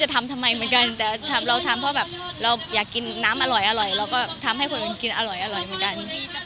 ทำเองกลัวตอน